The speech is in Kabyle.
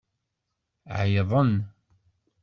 Ɛeyḍen.